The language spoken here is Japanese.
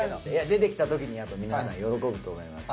出てきた時に皆さん喜ぶと思います。